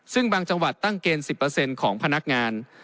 ซึ่งบางจังหวัดตั้งเกณฑ์๑๐ของพนักงาน